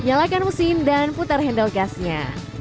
nyalakan mesin dan putar handle gasnya